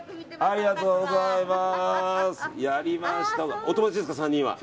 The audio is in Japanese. ありがとうございます。